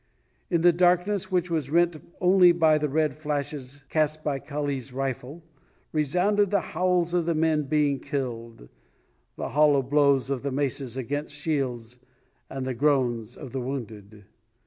In the darkness, which was rent only by the red flashes cast by Kali's rifle, resounded the howls of the men being killed, the hollow blows of the maces against shields and the groans of the wounded.